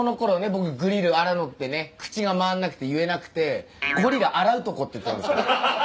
僕「グリルあらの」ってね口が回んなくて言えなくて「ゴリラ洗うとこ」って言ったんです。